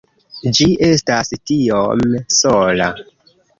Ĝi estas tiom sola